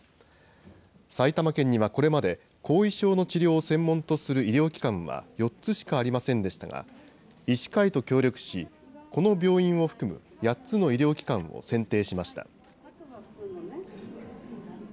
埼玉県にはこれまで、後遺症の治療を専門とする医療機関は４つしかありませんでしたが、医師会と協力し、この病院を含む８つの医療機関を選定しました。